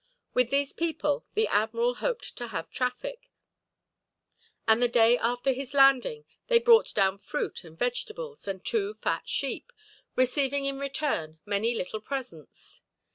With these people the admiral hoped to have traffic, and the day after his landing they brought down fruit and vegetables and two fat sheep, receiving in return many little presents.